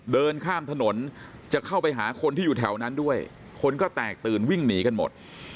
เดินข้ามถนนจะเข้าไปหาคนที่อยู่แถวนั้นด้วยคนก็แตกตื่นวิ่งหนีกันหมด